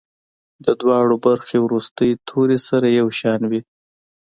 د دواړو برخو وروستي توري سره یو شان وي.